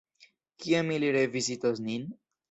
Kiam ili revizitos nin?